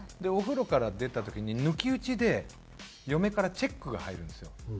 お風呂から出た時に抜き打ちで嫁からチェックが入るんですよ。